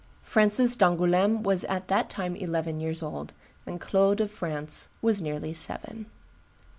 Francis d'Angouleme was at that time eleven years old, and Claude of France was nearly seven.